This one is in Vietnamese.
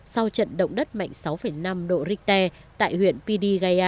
sau trận động đất mạnh sáu năm độ richter tại huyện pidigaya